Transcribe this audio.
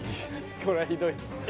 これはひどいぞ。